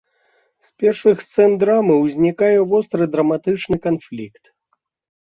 З першых сцэн драмы ўзнікае востры драматычны канфлікт.